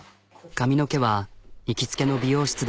髪の毛は行きつけの美容室で。